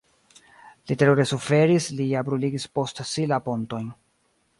Li terure suferis, li ja bruligis post si la pontojn.